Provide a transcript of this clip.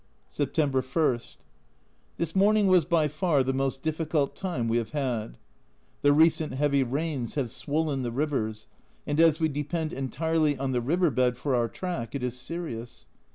September I. This morning was by far the most difficult time we have had. The recent heavy rains have swollen the rivers, and as we depend entirely on the river bed for our track, it is serious.